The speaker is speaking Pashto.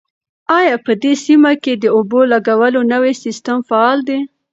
آیا په دې سیمه کې د اوبو لګولو نوی سیستم فعال دی؟